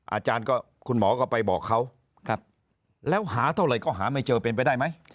อาจารย์ก็คุณหมอก็ไปบอกเขาแล้วหาเท่าไหร่ก็หาไม่เจอเป็นไปได้ไหม